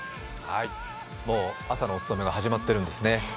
もう朝のお務めが始まっているんですね。